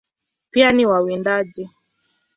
Pia ni wawindaji.